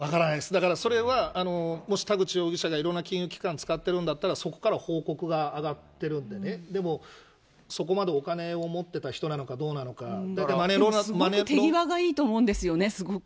だからそれは、もし田口容疑者がいろんな金融機関使ってるんだったら、そこから報告が上がってるんでね、でも、そこまでお金を持ってた人すごく手際がいいと思うんですよね、すごく。